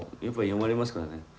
やっぱ読まれますからね。